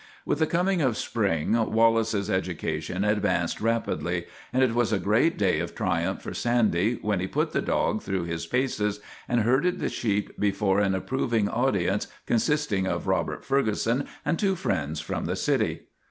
With the coming of spring Wallace's education advanced rapidly, and it was a great day of tri umph for Sandy when he put the dog through his paces and herded the sheep before an approving au dience, consisting of Robert Ferguson and two friends from the city.